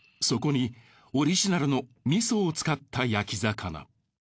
そこにオリジナルの味噌を使った焼き魚。